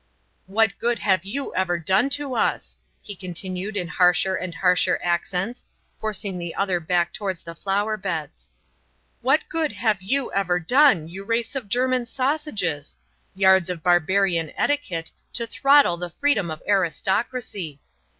"What good have you ever done to us?" he continued in harsher and harsher accents, forcing the other back towards the flower beds. "What good have you ever done, you race of German sausages? Yards of barbarian etiquette, to throttle the freedom of aristocracy!